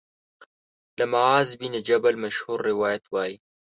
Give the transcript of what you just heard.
له معاذ بن جبل مشهور روایت وايي